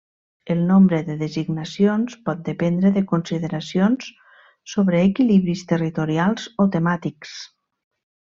El nombre de designacions pot dependre de consideracions sobre equilibris territorials o temàtics.